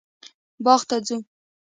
باغ ته ځو